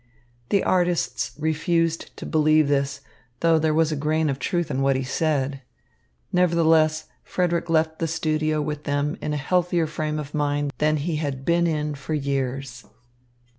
The artists refused to believe this, though there was a grain of truth in what he said. Nevertheless, Frederick left the studio with them in a healthier frame of mind than he had been in for years.